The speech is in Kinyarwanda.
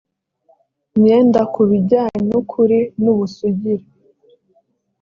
myenda ku bijyanye n ukuri n ubusugire